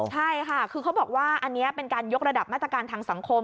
ใช่ค่ะคือเขาบอกว่าอันนี้เป็นการยกระดับมาตรการทางสังคม